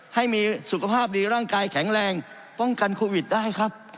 ให้มีสุขภาพดีร่างกายแข็งแรงป้องกันโควิดได้ครับ